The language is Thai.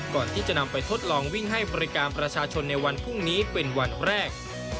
ก่อนที่จะนำไปทดลองวิ่งให้บริการประชาชนในวันพรุ่งนี้เป็นวันแรก